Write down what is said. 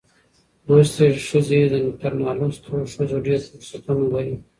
لوستې ښځې تر نالوستو ښځو ډېر فرصتونه لري.